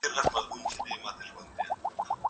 زه به سبا نان خورم!!